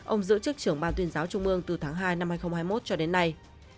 ông giữ chức trưởng ban tuyên giáo trung ương từ tháng hai năm hai nghìn hai mươi một cho đến nay